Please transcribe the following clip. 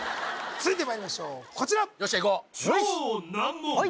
続いてまいりましょうこちらよっしゃい